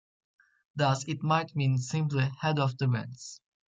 Thus it might mean simply 'Head of the Winds'.